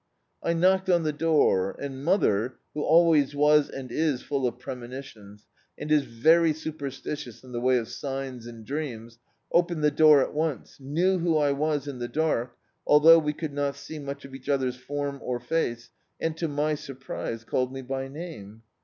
I knocked on the door aild mother, who always was and is full of premonitions, and is very superstitious in the way of signs and dreams, opened the door at once, knew who I was in the dark, thou^ we could not see much of eadi other's form or face, and, to my surprise, called me by name.